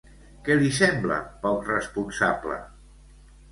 Què li sembla poc responsable?